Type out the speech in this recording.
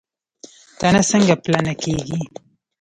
تنه څنګه پلنه کیږي؟